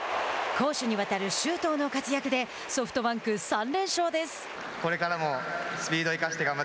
攻守にわたる周東の活躍でソフトバンク、３連勝です。